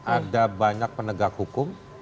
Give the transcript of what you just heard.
ada banyak penegak hukum